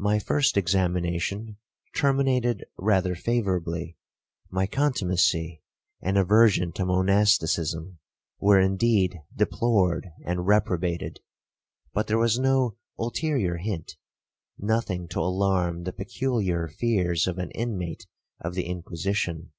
My first examination terminated rather favourably; my contumacy and aversion to monasticism were indeed deplored and reprobated, but there was no ulterior hint,—nothing to alarm the peculiar fears of an inmate of the Inquisition.